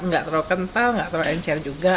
gak terlalu kental gak terlalu encer juga